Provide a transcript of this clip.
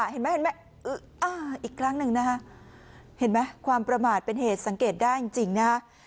เห็นไหมเห็นไหมอีกครั้งหนึ่งนะฮะเห็นไหมความประมาทเป็นเหตุสังเกตได้จริงนะฮะ